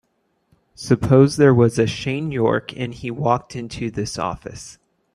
Suppose there was a Shane York and he walked into this office.